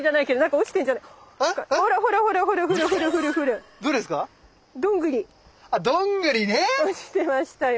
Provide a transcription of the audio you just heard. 落ちてましたよ。